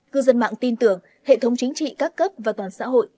cư dân mạng tin tưởng hệ thống chính trị các cấp và toàn xã hội